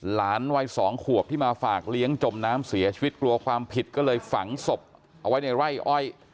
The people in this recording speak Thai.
หลานวัย๒ขวบที่มาฝากเลี้ยงจมน้ำเสียชีวิตกลัวความผิดก็เลยฝังศพเอาไว้ในไร่อ้อย